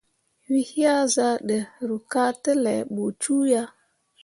We yea zah ɗə, ruu ka tə laa ɓə cuu ya.